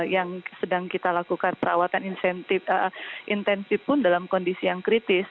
yang sedang kita lakukan perawatan intensif pun dalam kondisi yang kritis